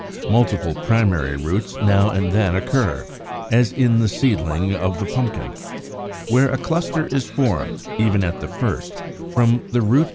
Multiple primary roots now and then occur, as in the seedling of Pumpkin (Fig. 27), where a cluster is formed even at the first, from the root end of the caulicle.